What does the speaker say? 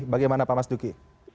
bagaimana pak mas duki